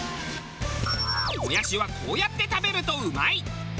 もやしはこうやって食べるとうまい！